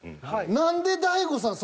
何で大悟さん